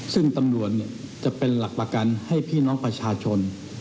ซึ่งตำรวจจะเป็นหลักประกันให้พี่น้องประชาชน